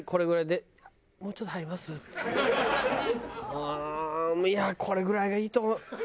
「うーんいやこれぐらいがいいと思う」。